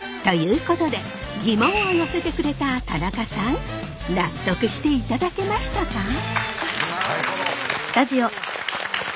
ということでギモンを寄せてくれた田中さん納得していただけましたか？